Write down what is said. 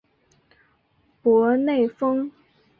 博内丰。